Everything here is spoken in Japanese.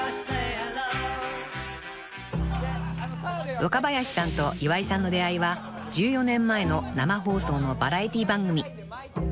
［若林さんと岩井さんの出会いは１４年前の生放送のバラエティー番組］